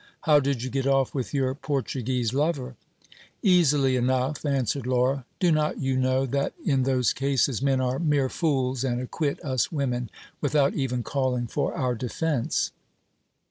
How did you get off with your Portuguese lover ? Easily enough, answered Laura : do not you know that in those cases men are mere fools, and acquit us women without even calling for our defence